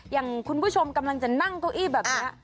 อย่างคุณผู้ชมกำลังจะนั่งเก้าอี้แบบนี้